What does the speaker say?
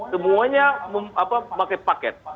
semuanya pakai paket